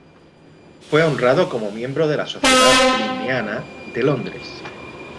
Fue honrado como miembro de la Sociedad linneana de Londres